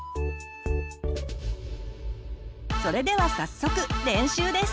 それでは早速練習です。